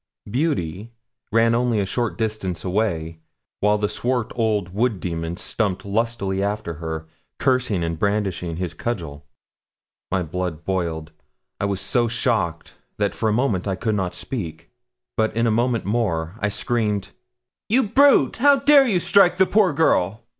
'Beauty' ran only a short distance away, while the swart old wood demon stumped lustily after her, cursing and brandishing his cudgel. My blood boiled. I was so shocked that for a moment I could not speak; but in a moment more I screamed 'You brute! How dare you strike the poor girl?'